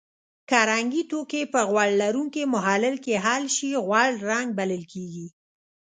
که رنګي توکي په غوړ لرونکي محلل کې حل شي غوړ رنګ بلل کیږي.